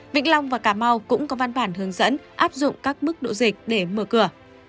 vĩnh long và cà mau cũng có văn bản hướng dẫn áp dụng các mức độ dịch để mở cửa